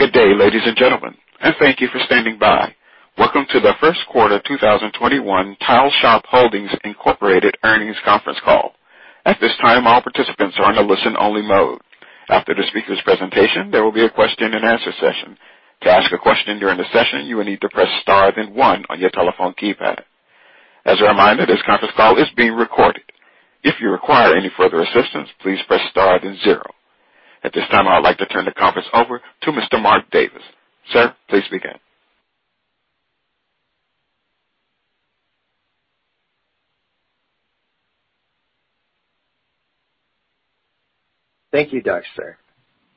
Good day, ladies and gentlemen, and thank you for standing by. Welcome to the first quarter 2021 Tile Shop Holdings, Inc earnings conference call. At this time, I would like to turn the conference over to Mr. Mark Davis. Sir, please begin. Thank you, Dexter.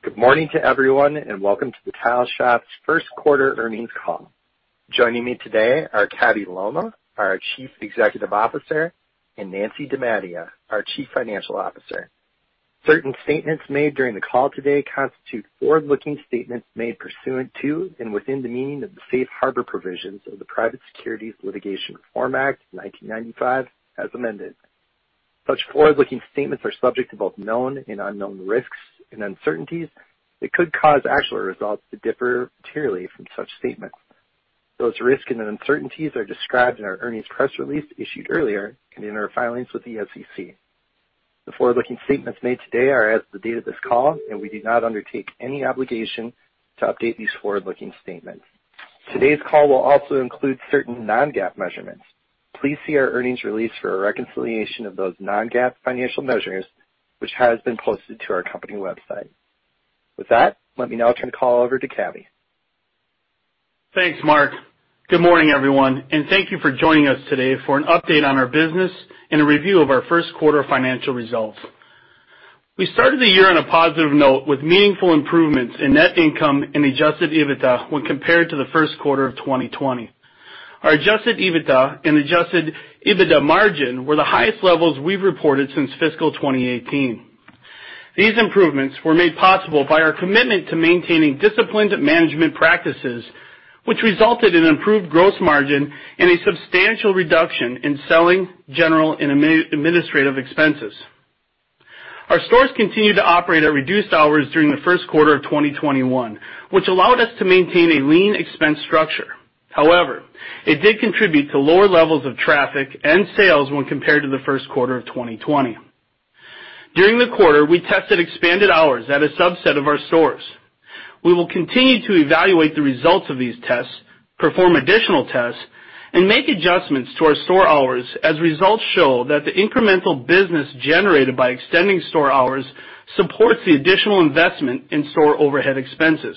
Good morning to everyone, and welcome to the Tile Shop's first quarter earnings call. Joining me today are Cabell Lolmaugh, our Chief Executive Officer, and Nancy DeMattia, our Chief Financial Officer. Certain statements made during the call today constitute forward-looking statements made pursuant to and within the meaning of the Safe Harbor provisions of the Private Securities Litigation Reform Act 1995 as amended. Such forward-looking statements are subject to both known and unknown risks and uncertainties that could cause actual results to differ materially from such statements. Those risks and uncertainties are described in our earnings press release issued earlier and in our filings with the SEC. The forward-looking statements made today are as of the date of this call, and we do not undertake any obligation to update these forward-looking statements. Today's call will also include certain non-GAAP measurements. Please see our earnings release for a reconciliation of those non-GAAP financial measures, which has been posted to our company website. With that, let me now turn the call over to Cabell. Thanks, Mark. Good morning, everyone, and thank you for joining us today for an update on our business and a review of our first quarter financial results. We started the year on a positive note with meaningful improvements in net income and Adjusted EBITDA when compared to the first quarter of 2020. Our Adjusted EBITDA and Adjusted EBITDA margin were the highest levels we've reported since fiscal 2018. These improvements were made possible by our commitment to maintaining disciplined management practices, which resulted in improved gross margin and a substantial reduction in selling, general, and administrative expenses. Our stores continued to operate at reduced hours during the first quarter of 2021, which allowed us to maintain a lean expense structure. However, it did contribute to lower levels of traffic and sales when compared to the first quarter of 2020. During the quarter, we tested expanded hours at a subset of our stores. We will continue to evaluate the results of these tests, perform additional tests, and make adjustments to our store hours as results show that the incremental business generated by extending store hours supports the additional investment in store overhead expenses.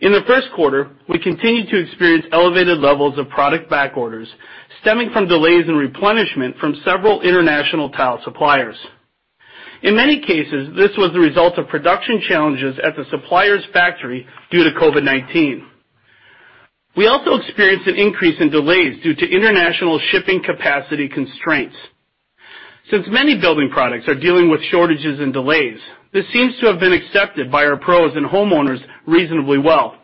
In the first quarter, we continued to experience elevated levels of product back orders stemming from delays in replenishment from several international tile suppliers. In many cases, this was the result of production challenges at the supplier's factory due to COVID-19. We also experienced an increase in delays due to international shipping capacity constraints. Since many building products are dealing with shortages and delays, this seems to have been accepted by our pros and homeowners reasonably well,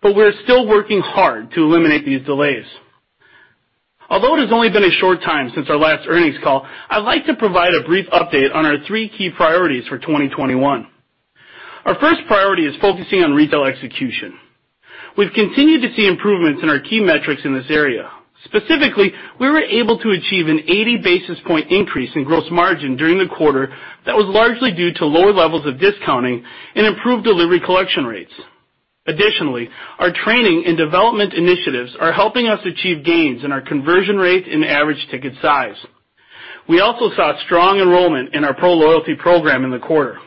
but we're still working hard to eliminate these delays. Although it has only been a short time since our last earnings call, I'd like to provide a brief update on our three key priorities for 2021. Our first priority is focusing on retail execution. We've continued to see improvements in our key metrics in this area. Specifically, we were able to achieve an 80 basis point increase in gross margin during the quarter that was largely due to lower levels of discounting and improved delivery collection rates. Additionally, our training and development initiatives are helping us achieve gains in our conversion rate and average ticket size. We also saw strong enrollment in our pro loyalty program in the quarter.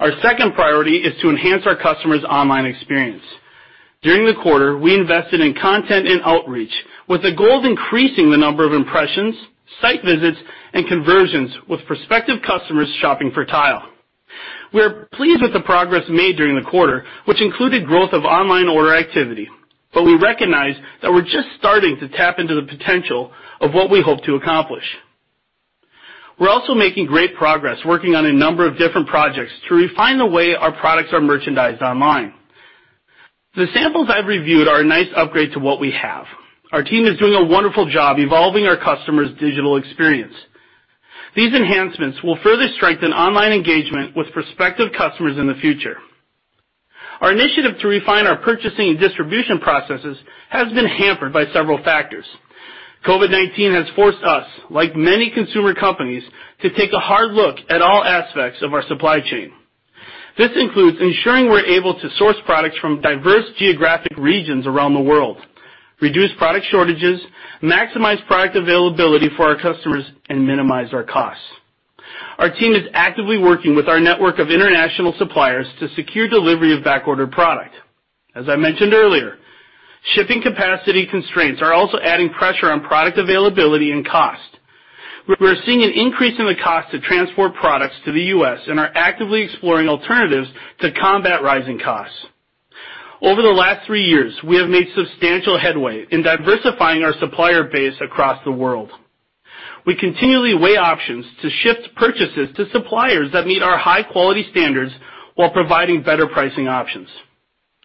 Our second priority is to enhance our customers' online experience. During the quarter, we invested in content and outreach with the goal of increasing the number of impressions, site visits, and conversions with prospective customers shopping for tile. We are pleased with the progress made during the quarter, which included growth of online order activity, but we recognize that we're just starting to tap into the potential of what we hope to accomplish. We're also making great progress working on a number of different projects to refine the way our products are merchandised online. The samples I've reviewed are a nice upgrade to what we have. Our team is doing a wonderful job evolving our customers' digital experience. These enhancements will further strengthen online engagement with prospective customers in the future. Our initiative to refine our purchasing and distribution processes has been hampered by several factors. COVID-19 has forced us, like many consumer companies, to take a hard look at all aspects of our supply chain. This includes ensuring we're able to source products from diverse geographic regions around the world, reduce product shortages, maximize product availability for our customers, and minimize our costs. Our team is actively working with our network of international suppliers to secure delivery of back-ordered product. As I mentioned earlier, shipping capacity constraints are also adding pressure on product availability and cost. We're seeing an increase in the cost to transport products to the U.S. and are actively exploring alternatives to combat rising costs. Over the last three years, we have made substantial headway in diversifying our supplier base across the world. We continually weigh options to shift purchases to suppliers that meet our high-quality standards while providing better pricing options.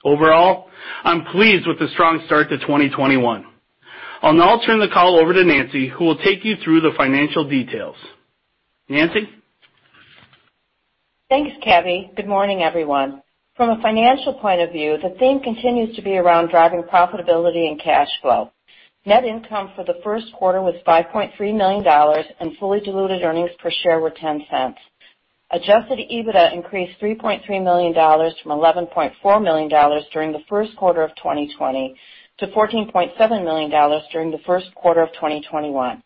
Overall, I'm pleased with the strong start to 2021. I'll now turn the call over to Nancy, who will take you through the financial details. Nancy? Thanks, Cabell. Good morning, everyone. From a financial point of view, the theme continues to be around driving profitability and cash flow. Net income for the first quarter was $5.3 million, and fully diluted earnings per share were $0.10. Adjusted EBITDA increased $3.3 million from $11.4 million during the first quarter of 2020 to $14.7 million during the first quarter of 2021.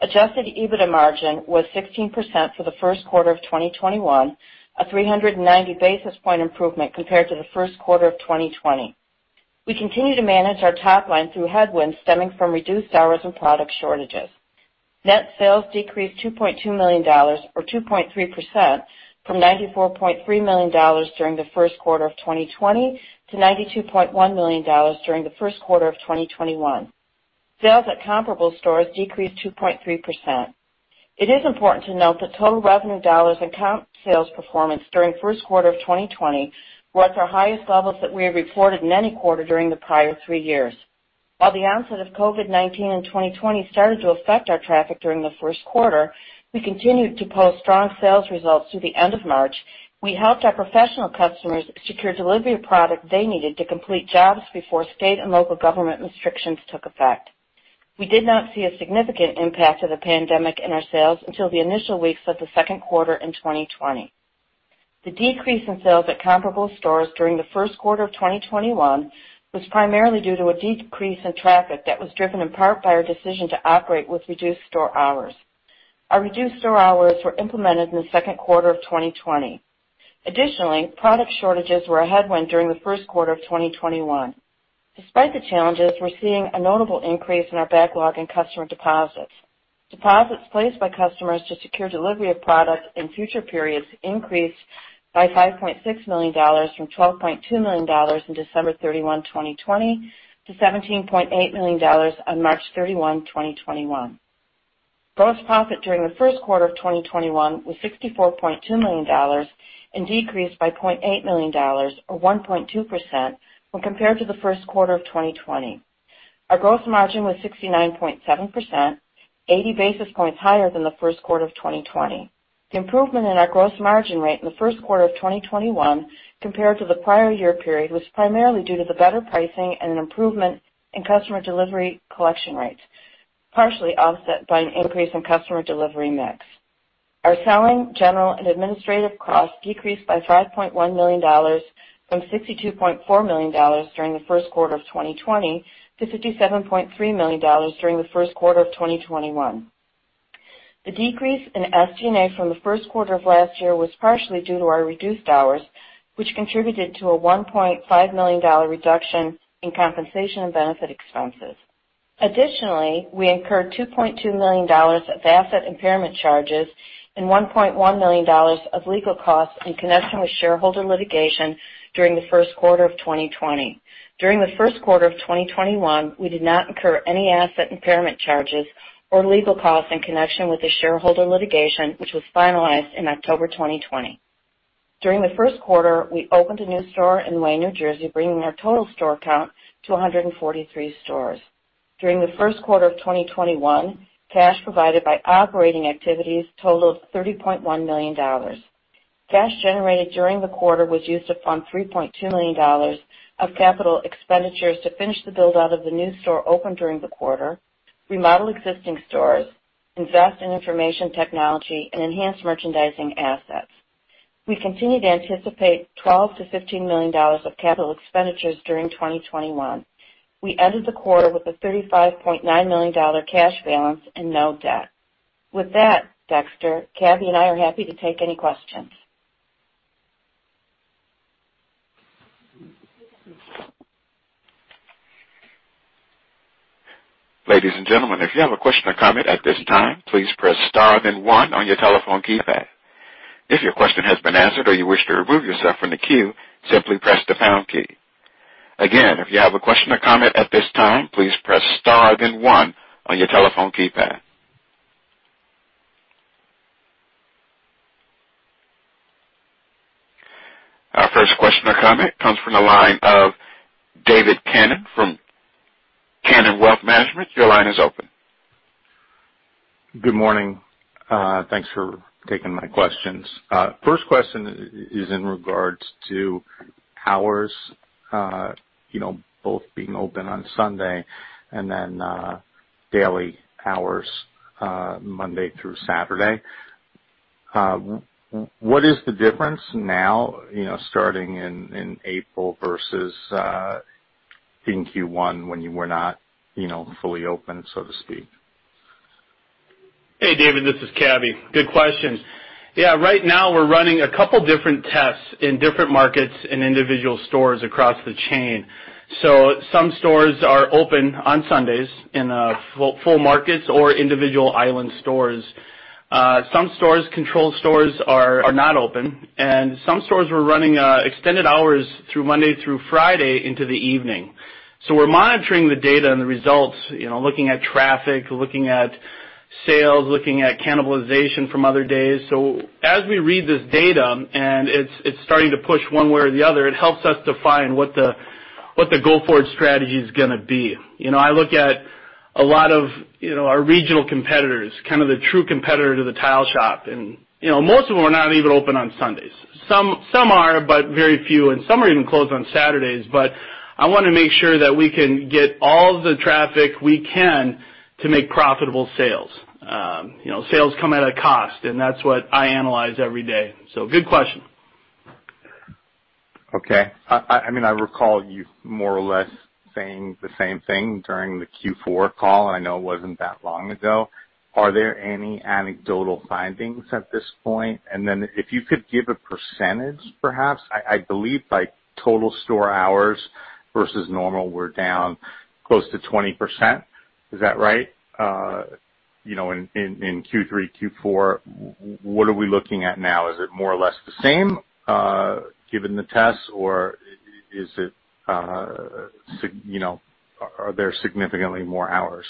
Adjusted EBITDA margin was 16% for the first quarter of 2021, a 390 basis point improvement compared to the first quarter of 2020. We continue to manage our top line through headwinds stemming from reduced hours and product shortages. Net sales decreased $2.2 million or 2.3% from $94.3 million during the first quarter of 2020 to $92.1 million during the first quarter of 2021. Sales at comparable stores decreased 2.3%. It is important to note that total revenue dollars and comp sales performance during the first quarter of 2020 was our highest levels that we have reported in any quarter during the prior three years. While the onset of COVID-19 in 2020 started to affect our traffic during the first quarter, we continued to post strong sales results through the end of March. We helped our professional customers secure delivery of product they needed to complete jobs before state and local government restrictions took effect. We did not see a significant impact of the pandemic in our sales until the initial weeks of the second quarter in 2020. The decrease in sales at comparable stores during the first quarter of 2021 was primarily due to a decrease in traffic that was driven in part by our decision to operate with reduced store hours. Our reduced store hours were implemented in the second quarter of 2020. Additionally, product shortages were a headwind during the first quarter of 2021. Despite the challenges, we're seeing a notable increase in our backlog in customer deposits. Deposits placed by customers to secure delivery of product in future periods increased by $5.6 million from $12.2 million in December 31, 2020, to $17.8 million on March 31, 2021. Gross profit during the first quarter of 2021 was $64.2 million and decreased by $0.8 million or 1.2% when compared to the first quarter of 2020. Our gross margin was 69.7%, 80 basis points higher than the first quarter of 2020. The improvement in our gross margin rate in the first quarter of 2021 compared to the prior year period was primarily due to the better pricing and an improvement in customer delivery collection rates, partially offset by an increase in customer delivery mix. Our selling, general, and administrative costs decreased by $5.1 million from $62.4 million during the first quarter of 2020 to $57.3 million during the first quarter of 2021. The decrease in SG&A from the first quarter of last year was partially due to our reduced hours, which contributed to a $1.5 million reduction in compensation and benefit expenses. Additionally, we incurred $2.2 million of asset impairment charges and $1.1 million of legal costs in connection with shareholder litigation during the first quarter of 2020. During the first quarter of 2021, we did not incur any asset impairment charges or legal costs in connection with the shareholder litigation, which was finalized in October 2020. During the first quarter, we opened a new store in Wayne, New Jersey, bringing our total store count to 143 stores. During the first quarter of 2021, cash provided by operating activities totaled $30.1 million. Cash generated during the quarter was used to fund $3.2 million of capital expenditures to finish the build-out of the new store opened during the quarter, remodel existing stores, invest in information technology, and enhance merchandising assets. We continue to anticipate $12 million-$15 million of capital expenditures during 2021. We ended the quarter with a $35.9 million cash balance and no debt. With that, Dexter, Cabell and I are happy to take any questions. Our first question or comment comes from the line of David Kanen from Kanen Wealth Management. Your line is open. Good morning. Thanks for taking my questions. First question is in regards to hours, both being open on Sunday and then daily hours Monday through Saturday. What is the difference now starting in April versus in Q1 when you were not fully open, so to speak? Hey, David, this is Cabell. Good question. Yeah, right now we're running a couple different tests in different markets in individual stores across the chain. So some stores are open on Sundays in full markets or individual island stores. Some control stores are not open, and some stores we're running extended hours through Monday through Friday into the evening. We're monitoring the data and the results, looking at traffic, looking at. sales, looking at cannibalization from other days. As we read this data, and it's starting to push one way or the other, it helps us define what the go-forward strategy is going to be. I look at a lot of our regional competitors, kind of the true competitor to The Tile Shop, and most of them are not even open on Sundays. Some are, but very few, and some are even closed on Saturdays. I want to make sure that we can get all of the traffic we can to make profitable sales. Sales come at a cost, and that's what I analyze every day. Good question. Okay. I recall you more or less saying the same thing during the Q4 call. I know it wasn't that long ago. Are there any anecdotal findings at this point? If you could give a percentage, perhaps. I believe by total store hours versus normal, we're down close to 20%. Is that right? In Q3, Q4, what are we looking at now? Is it more or less the same, given the tests, or are there significantly more hours?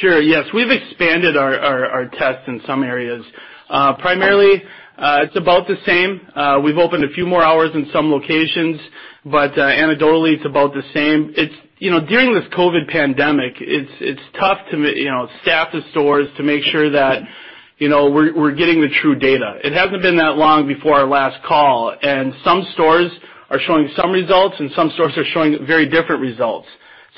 Sure. Yes. We've expanded our tests in some areas. Primarily, it's about the same. We've opened a few more hours in some locations, but anecdotally, it's about the same. During this COVID pandemic, it's tough to staff the stores to make sure that we're getting the true data. It hasn't been that long before our last call, and some stores are showing some results, and some stores are showing very different results.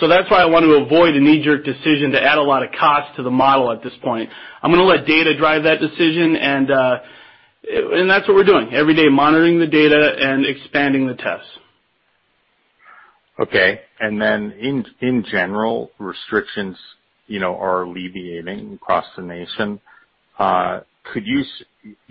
That's why I want to avoid a knee-jerk decision to add a lot of cost to the model at this point. I'm going to let data drive that decision, and that's what we're doing every day, monitoring the data and expanding the tests. Okay. In general, restrictions are alleviating across the nation.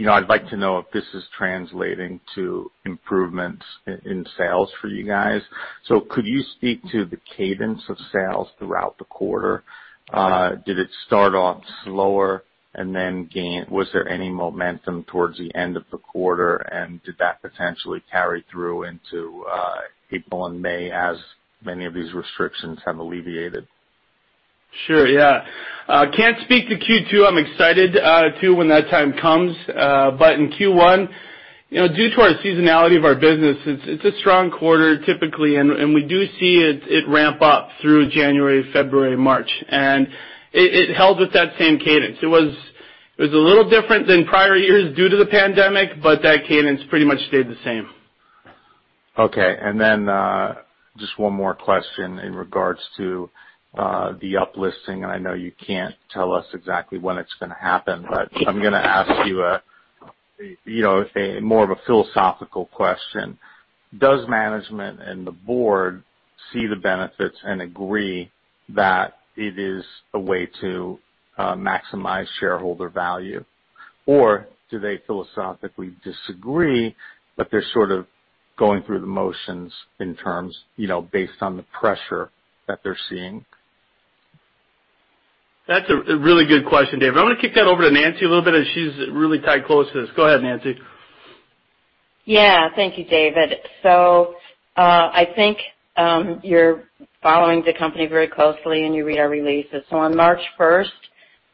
I'd like to know if this is translating to improvements in sales for you guys. Could you speak to the cadence of sales throughout the quarter? Did it start off slower and then was there any momentum towards the end of the quarter, and did that potentially carry through into April and May as many of these restrictions have alleviated? Sure, yeah. Can't speak to Q2. I'm excited too when that time comes. In Q1, due to our seasonality of our business, it's a strong quarter typically, and we do see it ramp up through January, February, March, and it held with that same cadence. It was a little different than prior years due to the pandemic, but that cadence pretty much stayed the same. Okay. Just one more question in regards to the up-listing, and I know you can't tell us exactly when it's going to happen, but I'm going to ask you more of a philosophical question. Does management and the board see the benefits and agree that it is a way to maximize shareholder value? Do they philosophically disagree, but they're sort of going through the motions based on the pressure that they're seeing? That's a really good question, David. I'm going to kick that over to Nancy a little bit, as she's really tied close to this. Go ahead, Nancy. Yeah. Thank you, David. I think you're following the company very closely and you read our releases. On March 1st,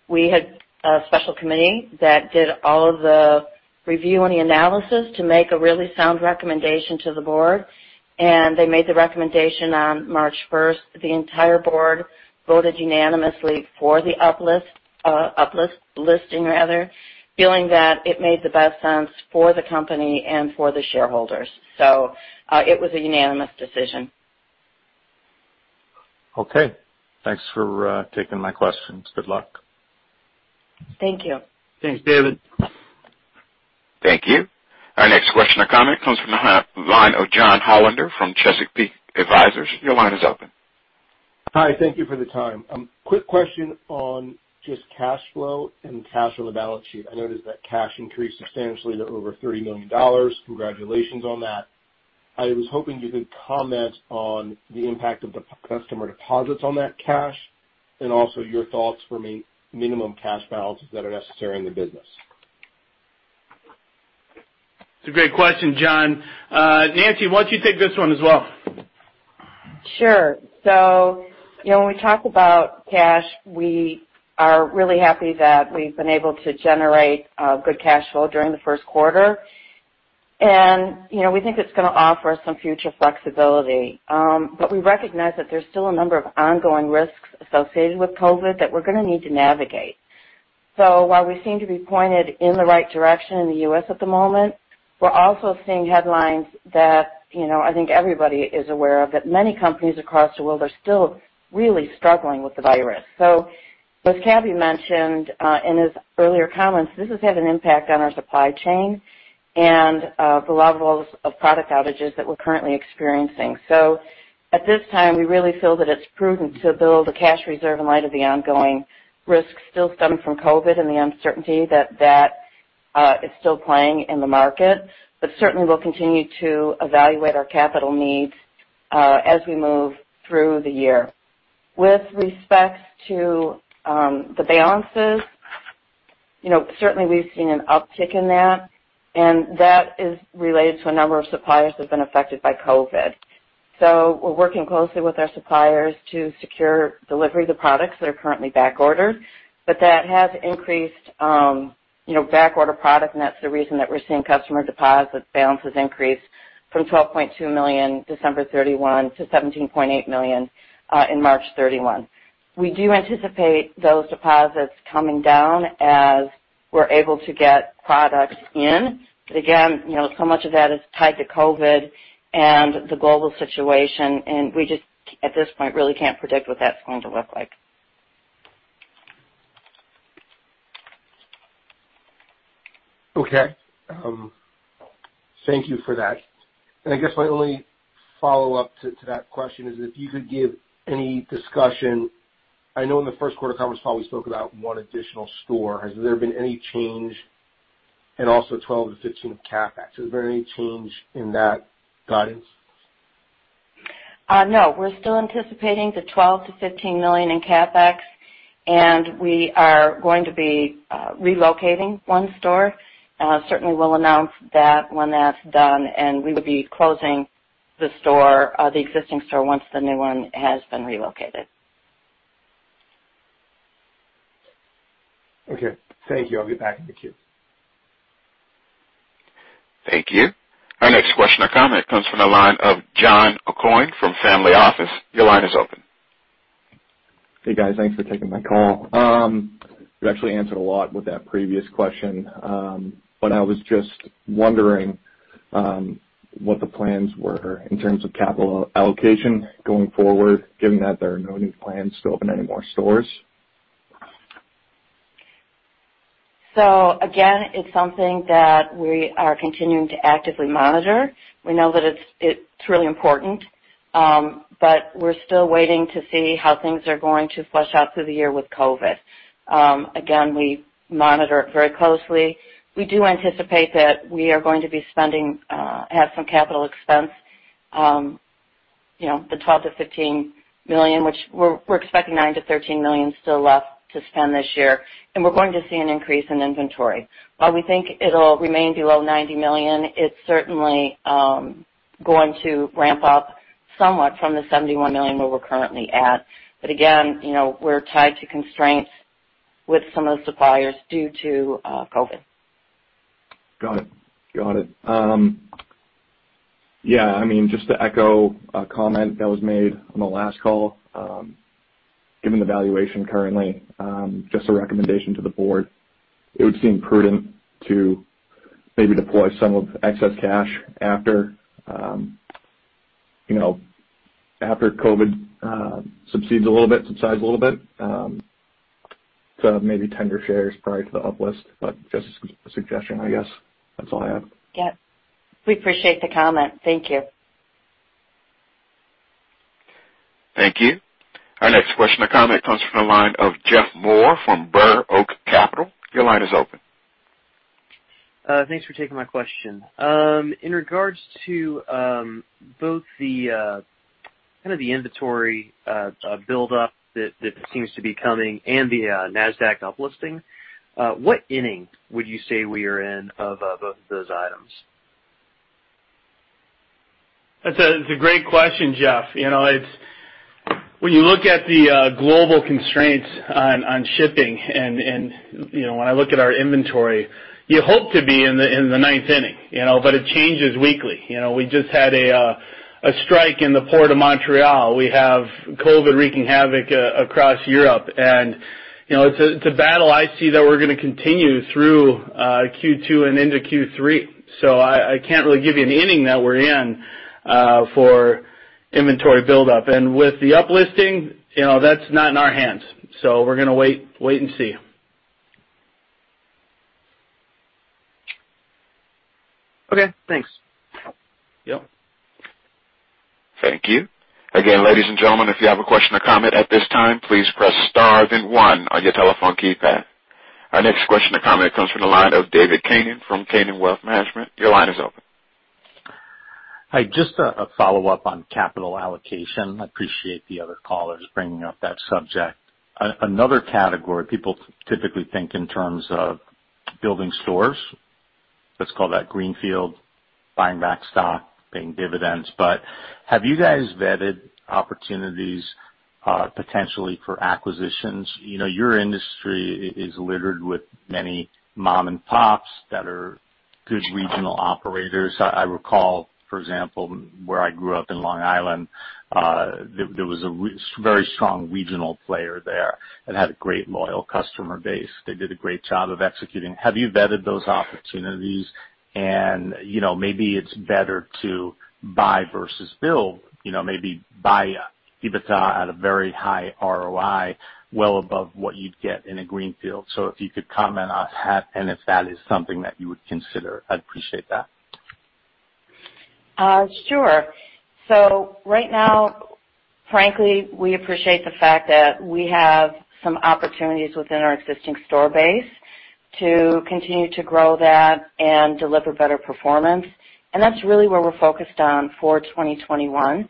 we had a special committee that did all of the review and the analysis to make a really sound recommendation to the board, and they made the recommendation on March 1st. The entire board voted unanimously for the up-listing, feeling that it made the best sense for the company and for the shareholders. It was a unanimous decision. Okay. Thanks for taking my questions. Good luck. Thank you. Thanks, David. Thank you. Our next question or comment comes from the line of Jon Hollander from Chesapeake Advisory Group. Your line is open. Hi. Thank you for the time. Quick question on just cash flow and cash on the balance sheet. I noticed that cash increased substantially to over $30 million. Congratulations on that. I was hoping you could comment on the impact of the customer deposits on that cash, and also your thoughts for minimum cash balances that are necessary in the business. It's a great question, Jon. Nancy, why don't you take this one as well? When we talk about cash, we are really happy that we've been able to generate good cash flow during the first quarter, and we think it's going to offer us some future flexibility. We recognize that there's still a number of ongoing risks associated with COVID that we're going to need to navigate. While we seem to be pointed in the right direction in the U.S. at the moment, we're also seeing headlines that I think everybody is aware of, that many companies across the world are still really struggling with the virus. As Cabell mentioned in his earlier comments, this has had an impact on our supply chain and the levels of product outages that we're currently experiencing. At this time, we really feel that it's prudent to build a cash reserve in light of the ongoing risks still stemming from COVID and the uncertainty that that is still playing in the market. Certainly, we'll continue to evaluate our capital needs as we move through the year. With respect to the balances. Certainly, we've seen an uptick in that, and that is related to a number of suppliers that have been affected by COVID. We're working closely with our suppliers to secure delivery of the products that are currently back ordered. That has increased back order product, and that's the reason that we're seeing customer deposit balances increase from $12.2 million December 31 to $17.8 million in March 31. We do anticipate those deposits coming down as we're able to get products in. Again, so much of that is tied to COVID and the global situation, and we just, at this point, really can't predict what that's going to look like. Okay. Thank you for that. I guess my only follow-up to that question is if you could give any discussion. I know in the first quarter conference call we spoke about one additional store. Has there been any change? Also 12 to 15 of CapEx. Has there been any change in that guidance? No. We're still anticipating the $12 million-$15 million in CapEx, and we are going to be relocating one store. Certainly we'll announce that when that's done, and we will be closing the existing store once the new one has been relocated. Okay. Thank you. I'll get back in the queue. Thank you. Our next question or comment comes from the line of John Aucoin from Family Office. Your line is open. Hey, guys. Thanks for taking my call. You actually answered a lot with that previous question. I was just wondering what the plans were in terms of capital allocation going forward, given that there are no new plans to open any more stores. Again, it's something that we are continuing to actively monitor. We know that it's really important. We're still waiting to see how things are going to flush out through the year with COVID. Again, we monitor it very closely. We do anticipate that we are going to be spending, have some capital expense, the $12 million-$15 million, which we're expecting $9 million-$13 million still left to spend this year, and we're going to see an increase in inventory. While we think it'll remain below $90 million, it's certainly going to ramp up somewhat from the $71 million where we're currently at. Again, we're tied to constraints with some of the suppliers due to COVID. Got it. Yeah, just to echo a comment that was made on the last call, given the valuation currently, just a recommendation to the board, it would seem prudent to maybe deploy some of the excess cash after COVID subsides a little bit, to maybe tender shares prior to the up-list. Just a suggestion, I guess. That's all I have. Yeah. We appreciate the comment. Thank you. Thank you. Our next question or comment comes from the line of Jeff Moore from Burr Oak Capital. Your line is open. Thanks for taking my question. In regards to both the inventory build up that seems to be coming and the Nasdaq up-listing, what inning would you say we are in of both of those items? That's a great question, Jeff. When you look at the global constraints on shipping and when I look at our inventory, you hope to be in the ninth inning. But it changes weekly. We just had a strike in the Port of Montreal. We have COVID wreaking havoc across Europe, and it's a battle I see that we're going to continue through Q2 and into Q3. I can't really give you an inning that we're in for inventory build-up. And with the up-listing, that's not in our hands. We're going to wait and see. Okay, thanks. Yep. Thank you. Again, ladies and gentlemen, if you have a question or comment at this time, please press star then one on your telephone keypad. Our next question or comment comes from the line of David Kanen from Kanen Wealth Management. Your line is open. Hi, just a follow-up on capital allocation. I appreciate the other callers bringing up that subject. Another category people typically think in terms of building stores, let's call that greenfield, buying back stock, paying dividends, but have you guys vetted opportunities potentially for acquisitions? Your industry is littered with many mom and pops that are good regional operators. I recall, for example, where I grew up in Long Island, there was a very strong regional player there that had a great loyal customer base. They did a great job of executing. Have you vetted those opportunities? Maybe it's better to buy versus build, maybe buy a EBITDA at a very high ROI, well above what you'd get in a greenfield. If you could comment on that and if that is something that you would consider, I'd appreciate that. Sure. Right now, frankly, we appreciate the fact that we have some opportunities within our existing store base to continue to grow that and deliver better performance, and that's really where we're focused on for 2021.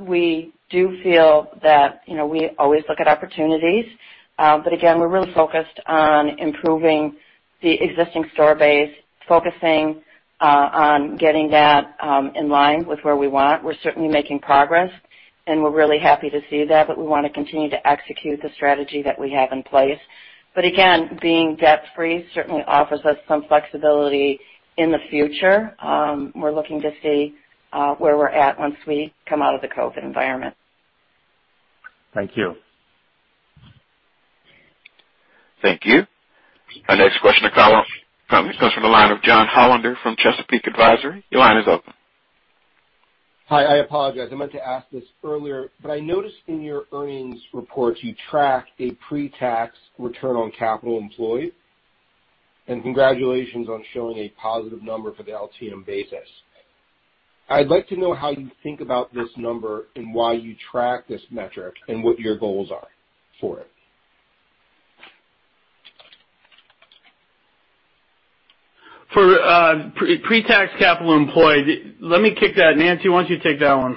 We do feel that we always look at opportunities. Again, we're really focused on improving the existing store base, focusing on getting that in line with where we want. We're certainly making progress, and we're really happy to see that, but we want to continue to execute the strategy that we have in place. Again, being debt-free certainly offers us some flexibility in the future. We're looking to see where we're at once we come out of the COVID environment. Thank you. Thank you. Our next question or follow-up comes from the line of Jon Hollander from Chesapeake Advisory. Your line is open. Hi. I apologize. I meant to ask this earlier, but I noticed in your earnings report, you track a pre-tax return on capital employed. Congratulations on showing a positive number for the LTM basis. I'd like to know how you think about this number and why you track this metric and what your goals are for it. For pre-tax capital employed, let me kick that. Nancy, why don't you take that one?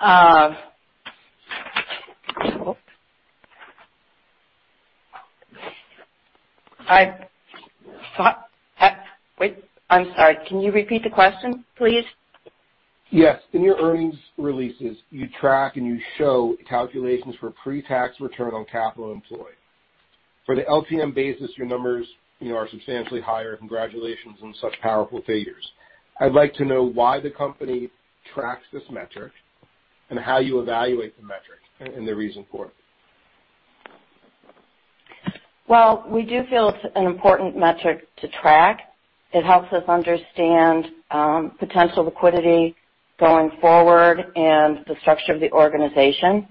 I'm sorry. Can you repeat the question, please? Yes. In your earnings releases, you track and you show calculations for pre-tax return on capital employed. For the LTM basis, your numbers are substantially higher. Congratulations on such powerful figures. I'd like to know why the company tracks this metric and how you evaluate the metric and the reason for it. Well, we do feel it's an important metric to track. It helps us understand potential liquidity going forward and the structure of the organization.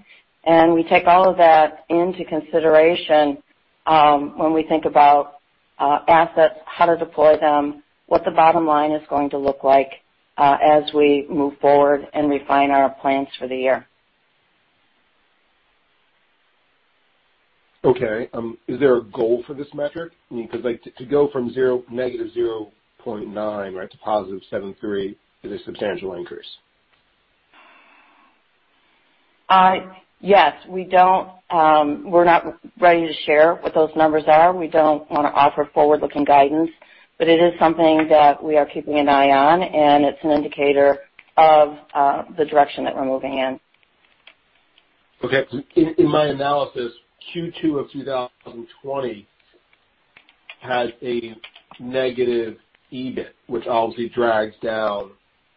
We take all of that into consideration when we think about assets, how to deploy them, what the bottom line is going to look like as we move forward and refine our plans for the year. Okay. Is there a goal for this metric? To go from negative 0.9 to positive 73 is a substantial increase. Yes. We're not ready to share what those numbers are. We don't want to offer forward-looking guidance, but it is something that we are keeping an eye on, and it's an indicator of the direction that we're moving in. Okay. In my analysis, Q2 of 2020 had a negative EBIT, which obviously drags down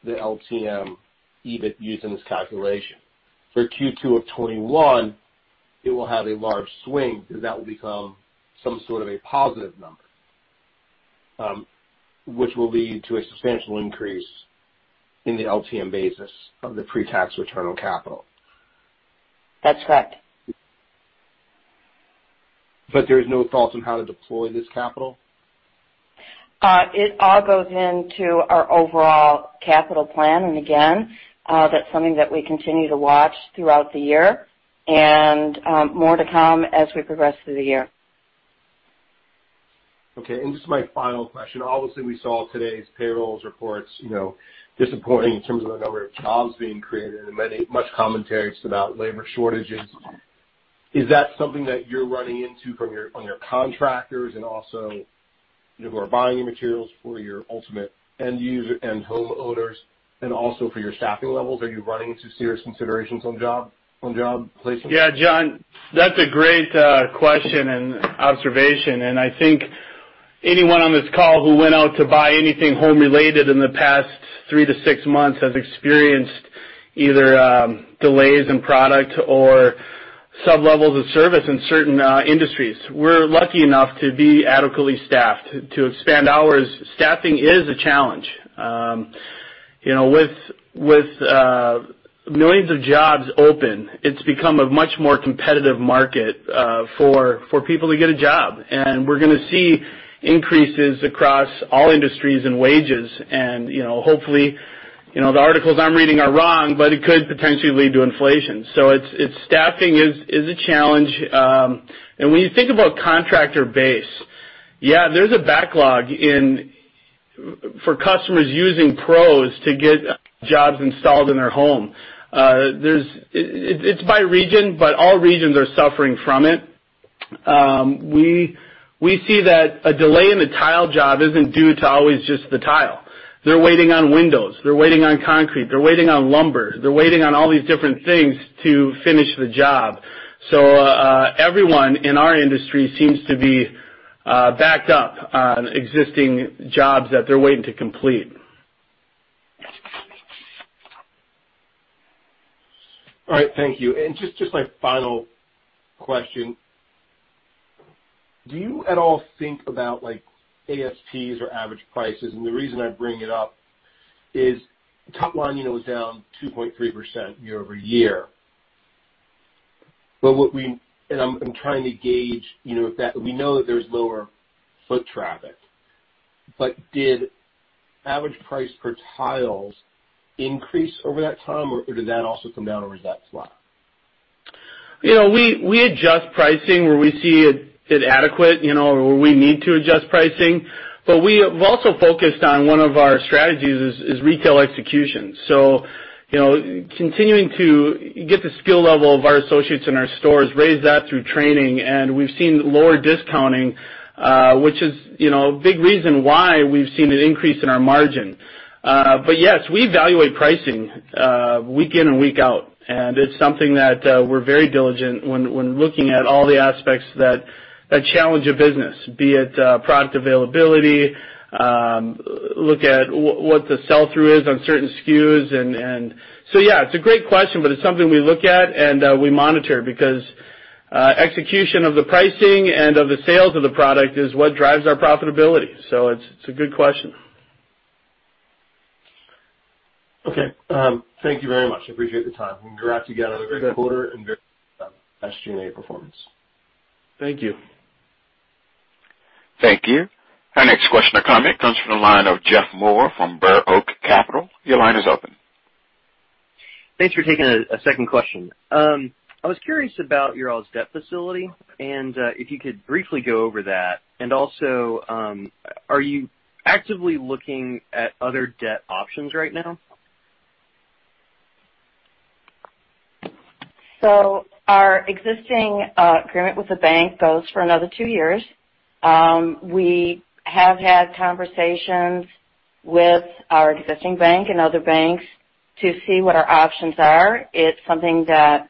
the LTM EBIT using this calculation. For Q2 of 2021, it will have a large swing because that will become some sort of a positive number, which will lead to a substantial increase in the LTM basis of the pre-tax return on capital. That's correct. There is no thoughts on how to deploy this capital? It all goes into our overall capital plan. Again, that's something that we continue to watch throughout the year. More to come as we progress through the year. Okay. Just my final question. Obviously, we saw today's payroll reports, disappointing in terms of the number of jobs being created and much commentary about labor shortages. Is that something that you're running into on your contractors and also who are buying your materials for your ultimate end user and homeowners and also for your staffing levels? Are you running into serious considerations on job placement? Yeah, Jon, that's a great question and observation. I think anyone on this call who went out to buy anything home-related in the past three to six months has experienced either delays in product or sub-levels of service in certain industries. We're lucky enough to be adequately staffed to expand hours. Staffing is a challenge. With millions of jobs open, it's become a much more competitive market for people to get a job. We're going to see increases across all industries and wages. Hopefully, the articles I'm reading are wrong, but it could potentially lead to inflation. Staffing is a challenge. When you think about contractor base, there's a backlog for customers using pros to get jobs installed in their home. It's by region, but all regions are suffering from it. We see that a delay in a tile job isn't due to always just the tile. They're waiting on windows. They're waiting on concrete. They're waiting on lumber. They're waiting on all these different things to finish the job. Everyone in our industry seems to be backed up on existing jobs that they're waiting to complete. All right. Thank you. Just my final question, do you at all think about ASPs or average prices? The reason I bring it up is top line was down 2.3% year-over-year. I'm trying to gauge, we know that there's lower foot traffic, but did average price per tiles increase over that time, or did that also come down? Or is that flat? We adjust pricing where we see it adequate, or where we need to adjust pricing. We have also focused on one of our strategies is retail execution. Continuing to get the skill level of our associates in our stores, raise that through training, and we've seen lower discounting, which is a big reason why we've seen an increase in our margin. Yes, we evaluate pricing week in and week out, and it's something that we're very diligent when looking at all the aspects that challenge a business, be it product availability, look at what the sell-through is on certain SKUs. Yeah, it's a great question, but it's something we look at and we monitor, because execution of the pricing and of the sales of the product is what drives our profitability. It's a good question. Okay. Thank you very much. Appreciate the time. Congrats again on a great quarter and very nice G&A performance. Thank you. Thank you. Our next question or comment comes from the line of Jeff Moore from Burr Oak Capital. Your line is open. Thanks for taking a second question. I was curious about your all's debt facility. If you could briefly go over that. Also, are you actively looking at other debt options right now? Our existing agreement with the bank goes for another two years. We have had conversations with our existing bank and other banks to see what our options are. It is something that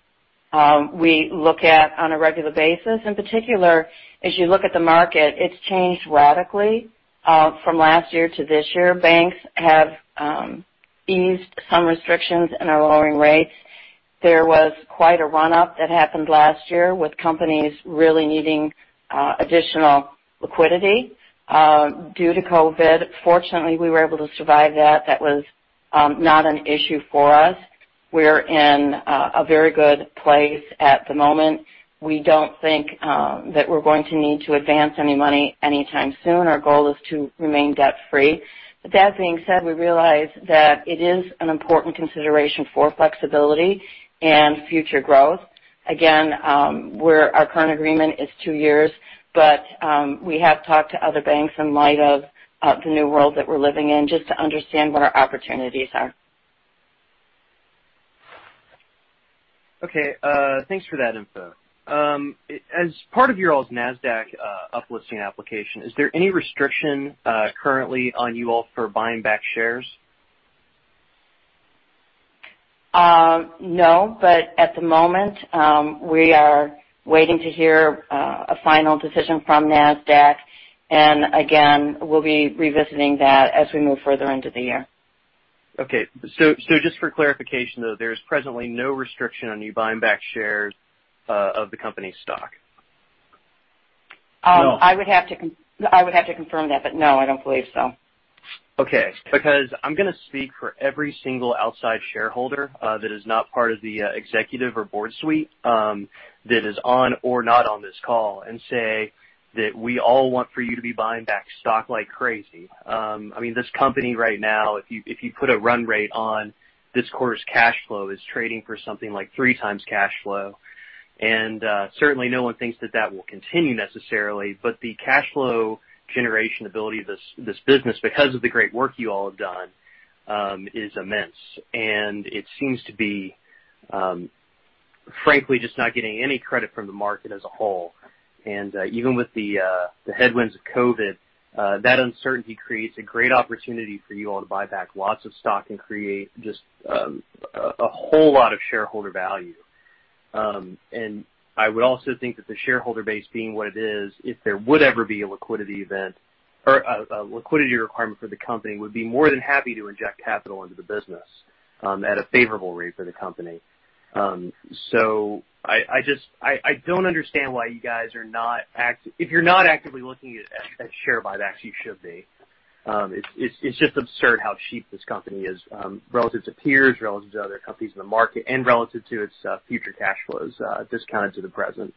we look at on a regular basis. In particular, as you look at the market, it has changed radically from last year to this year. Banks have eased some restrictions and are lowering rates. There was quite a run-up that happened last year with companies really needing additional liquidity due to COVID. Fortunately, we were able to survive that. That was not an issue for us. We are in a very good place at the moment. We do not think that we are going to need to advance any money anytime soon. Our goal is to remain debt-free. That being said, we realize that it is an important consideration for flexibility and future growth. Again, our current agreement is two years, but we have talked to other banks in light of the new world that we're living in, just to understand what our opportunities are. Okay. Thanks for that info. As part of your all's Nasdaq up-listing application, is there any restriction currently on you all for buying back shares? No, at the moment, we are waiting to hear a final decision from Nasdaq. Again, we'll be revisiting that as we move further into the year. Okay. Just for clarification, though, there is presently no restriction on you buying back shares of the company's stock? No. I would have to confirm that, but no, I don't believe so. Okay. I'm going to speak for every single outside shareholder that is not part of the executive or board suite, that is on or not on this call and say that we all want for you to be buying back stock like crazy. This company right now, if you put a run rate on this quarter's cash flow, is trading for something like 3x cash flow. Certainly no one thinks that that will continue necessarily, but the cash flow generation ability of this business, because of the great work you all have done, is immense. It seems to be frankly, just not getting any credit from the market as a whole. Even with the headwinds of COVID, that uncertainty creates a great opportunity for you all to buy back lots of stock and create just a whole lot of shareholder value. I would also think that the shareholder base being what it is, if there would ever be a liquidity event or a liquidity requirement for the company, would be more than happy to inject capital into the business at a favorable rate for the company. I don't understand why you guys are not If you're not actively looking at share buybacks, you should be. It's just absurd how cheap this company is relative to peers, relative to other companies in the market, and relative to its future cash flows discounted to the present.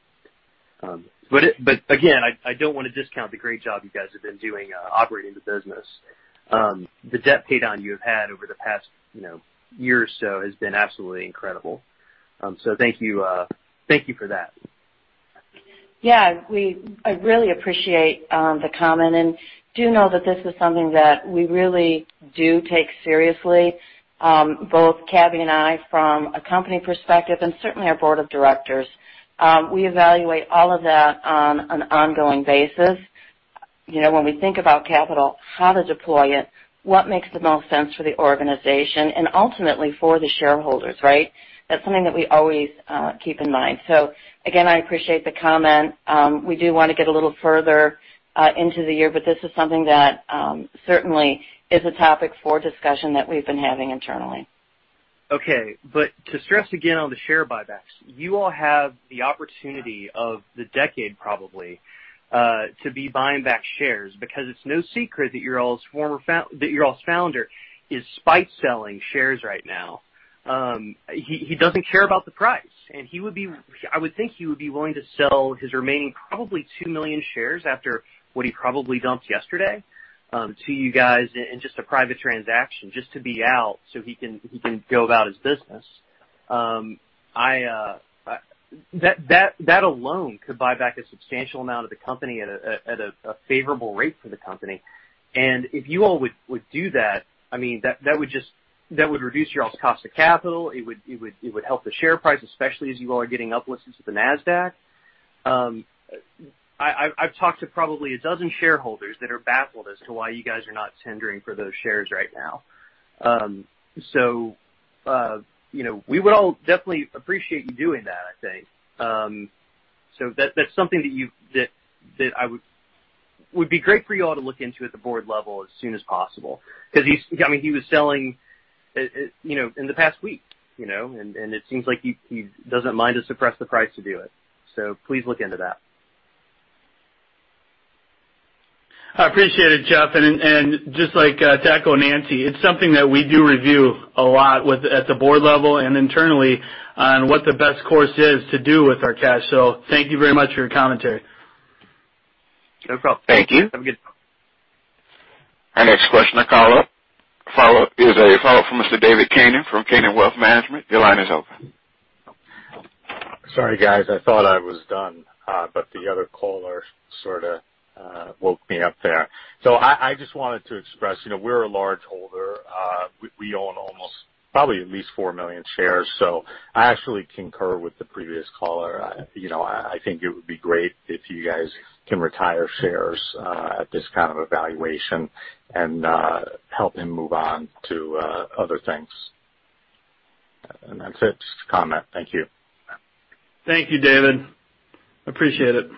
Again, I don't want to discount the great job you guys have been doing operating the business. The debt pay down you have had over the past year or so has been absolutely incredible. Thank you for that. I really appreciate the comment, and do know that this is something that we really do take seriously, both Cabell and I, from a company perspective, and certainly our board of directors. We evaluate all of that on an ongoing basis. When we think about capital, how to deploy it, what makes the most sense for the organization, and ultimately for the shareholders, right? That's something that we always keep in mind. Again, I appreciate the comment. We do want to get a little further into the year, but this is something that certainly is a topic for discussion that we've been having internally. Okay. To stress again on the share buybacks, you all have the opportunity of the decade probably to be buying back shares because it's no secret that your all's founder is spite selling shares right now. He doesn't care about the price. I would think he would be willing to sell his remaining probably 2 million shares after what he probably dumped yesterday to you guys in just a private transaction, just to be out so he can go about his business. That alone could buy back a substantial amount of the company at a favorable rate for the company. If you all would do that would reduce you all's cost of capital. It would help the share price, especially as you all are getting up-listed to the Nasdaq. I've talked to probably a dozen shareholders that are baffled as to why you guys are not tendering for those shares right now. We would all definitely appreciate you doing that, I think. That's something that would be great for you all to look into at the board level as soon as possible, because he was selling in the past week. It seems like he doesn't mind to suppress the price to do it. Please look into that. I appreciate it, Jeff. Just like talk of Nancy, it's something that we do review a lot at the board level and internally on what the best course is to do with our cash. Thank you very much for your commentary. No problem. Thank you. Have a good one. Our next question or follow-up is a follow-up from Mr. David Kanen from Kanen Wealth Management. Your line is open. Sorry, guys, I thought I was done. The other caller sort of woke me up there. I just wanted to express, we're a large holder. We own almost probably at least 4 million shares. I actually concur with the previous caller. I think it would be great if you guys can retire shares at this kind of evaluation and help him move on to other things. That's it. Just a comment. Thank you. Thank you, David. Appreciate it.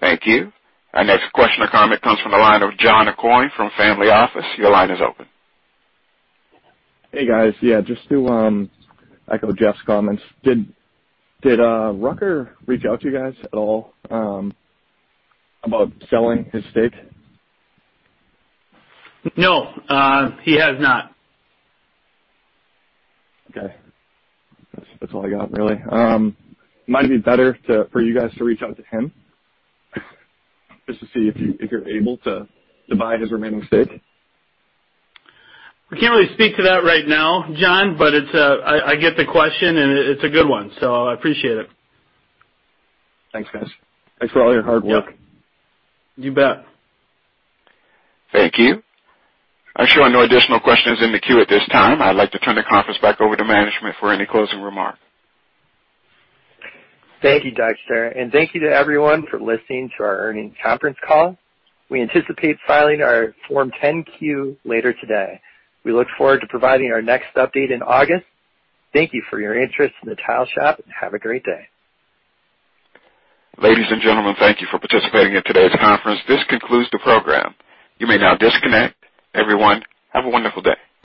Thank you. Our next question or comment comes from the line of John Aucoin from Family Office. Your line is open. Hey, guys. Yeah, just to echo Jeff's comments, did Rucker reach out to you guys at all about selling his stake? No. He has not. Okay. That's all I got really. Might be better for you guys to reach out to him just to see if you're able to buy his remaining stake. I can't really speak to that right now, John, but I get the question, and it's a good one, so I appreciate it. Thanks, guys. Thanks for all your hard work. You bet. Thank you. I show no additional questions in the queue at this time. I'd like to turn the conference back over to management for any closing remark. Thank you, Dexter, and thank you to everyone for listening to our earnings conference call. We anticipate filing our Form 10-Q later today. We look forward to providing our next update in August. Thank you for your interest in The Tile Shop and have a great day. Ladies and gentlemen, thank you for participating in today's conference. This concludes the program. You may now disconnect. Everyone, have a wonderful day.